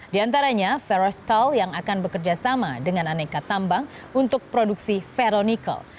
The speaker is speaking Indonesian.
diantaranya ferrostal yang akan bekerjasama dengan aneka tambang untuk produksi ferronikel